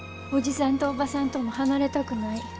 おじさんとおばさんとも離れたくない。